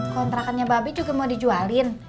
kontrakannya babi juga mau dijualin